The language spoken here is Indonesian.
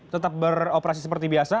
tetap beroperasi seperti biasa